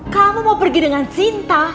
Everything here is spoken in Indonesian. kamu mau pergi dengan sinta